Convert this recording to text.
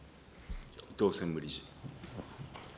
伊藤専務理事。